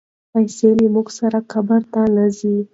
پیسې له موږ سره قبر ته نه ځي.